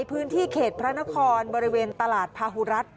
พื้นที่เขตพระนครบริเวณตลาดพาหุรัฐ